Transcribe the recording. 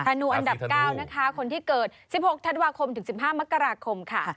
นูอันดับ๙นะคะคนที่เกิด๑๖ธันวาคมถึง๑๕มกราคมค่ะ